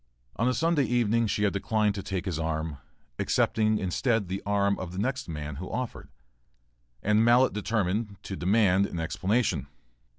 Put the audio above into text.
On a Sunday evening she had declined to take his arm, accepting instead the arm of the next man who offered, and Mallett determined to demand an explanation.